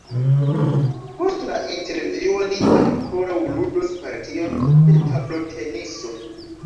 Post la intervjuo li ankoraŭ ludos partion de tabloteniso.